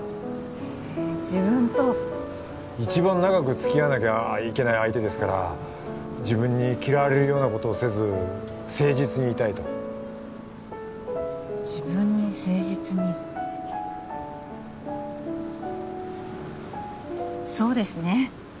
一番長く付き合わなきゃいけない相手ですから自分に嫌われるようなことをせず誠実にいたいと自分に誠実にそうですね